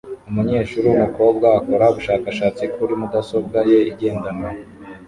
Umunyeshuri wumukobwa akora ubushakashatsi kuri mudasobwa ye igendanwa